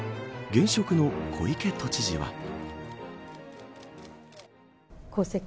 現職の小池都知事は。